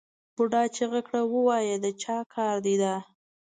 بوډا چیغه کړه ووایه د چا کار دی دا؟